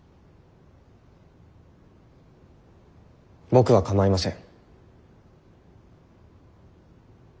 僕は構いません。